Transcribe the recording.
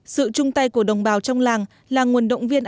sự chung tay của đồng bào trong làng là nguồn động viên